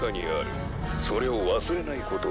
「それを忘れないことだ」